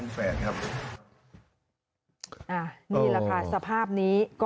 นี่ไงแหละไท์สภาพนี้